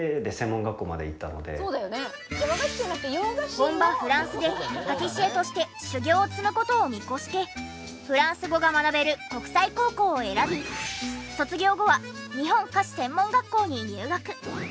本場フランスでパティシエとして修業を積む事を見越してフランス語が学べる国際高校を選び卒業後は日本菓子専門学校に入学。